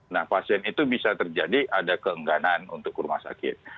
nah pasien itu bisa terjadi ada keengganan untuk ke rumah sakit